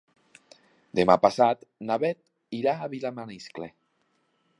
Demà passat na Beth irà a Vilamaniscle.